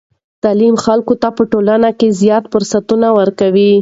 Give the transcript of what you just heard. تعلیم خلکو ته په ټولنه کې زیاتو فرصتونو ورکوي.